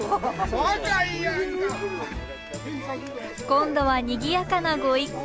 今度はにぎやかなご一行。